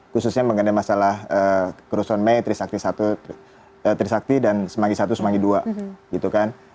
khususnya mengenai masalah kerusuhan mei trisakti dan semanggi i dan semanggi ii